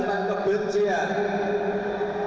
dengan ada hal yang negatif